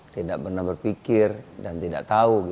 tidak pernah berpikir dan tidak tahu